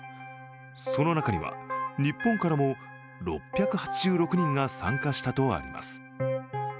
その中には、日本からも６８６人が参加したとあります。